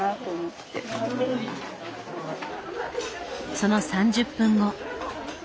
その３０分後。